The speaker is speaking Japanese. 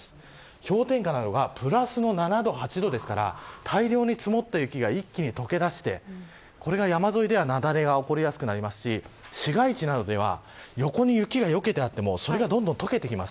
氷点下なのがプラスの７度８度ですから大量に積もって雪が一気に解けだしてこれが山沿いでは雪崩が起きやすくなりますし市街地などでは、横に雪があっても、それがどんどん解けてきます。